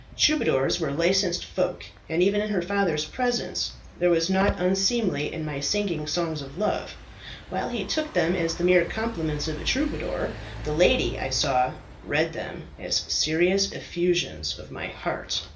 Troubadours were licensed folk, and even in her father's presence there was nought unseemly in my singing songs of love. While he took them as the mere compliments of a troubadour, the lady, I saw, read them as serious effusions of my heart.